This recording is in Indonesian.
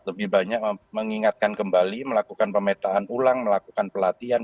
lebih banyak mengingatkan kembali melakukan pemetaan ulang melakukan pelatihan